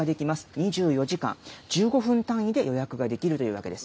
２４時間、１５分単位で予約ができるというわけです。